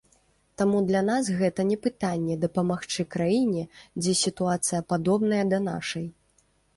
Таму для нас гэта не пытанне дапамагчы краіне, дзе сітуацыя падобная да нашай.